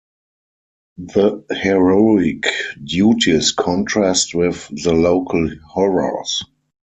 The heroic duties contrast with the local horrors.